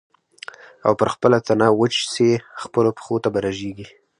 او پر خپله تنه وچ سې خپلو پښو ته به رژېږې